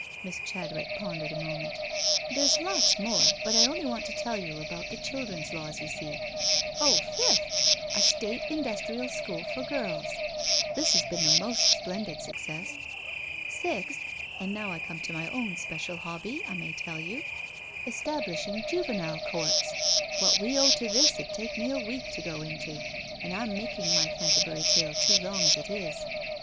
Miss Chadwick pondered a moment. " There's lots more, but I only want to tell you about the children's laws, you see. Oh, fifth, a State Indus trial School for girls — this has been the most splendid success. Sixth— and now I come to my own special hobby, I may tell you — establishing Juvenile Courts. What we owe to this 'ud take me a week to go into, and I'm making my Canterbury tale too long as it is •• 19.